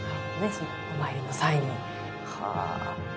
そのお参りの際に。は。